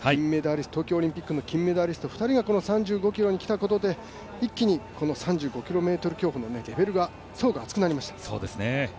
東京オリンピックの金メダリスト２人がこの３５ｋｍに、きたことで一気に３５ｋｍ競歩のレベルが層が厚くなりました。